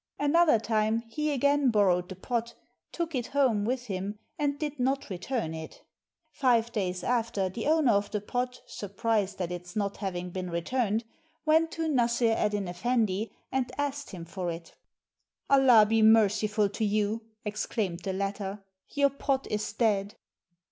Another time, he again borrowed the pot, took it home with him and did not return it. Five days after, the owner of the pot, surprised at its not having been returned, went to Nassr Eddyn Effendi and asked him for it. "Allah be merciful to you!" exclaimed the latter, "your pot is dead."